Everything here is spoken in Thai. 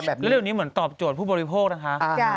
แล้วเรื่องนี้เหมือนตอบโจทย์ผู้บริโภคนะคะ